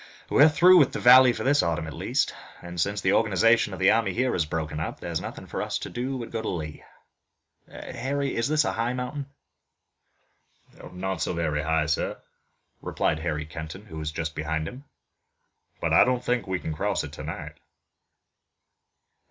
We're through with the valley for this autumn at least, and, since the organization of the army here is broken up, there is nothing for us to do but go to Lee. Harry, is this a high mountain?" "Not so very high, sir," replied Harry Kenton, who was just behind him, "but I don't think we can cross it tonight."